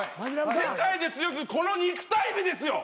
世界で通用するこの肉体美ですよ。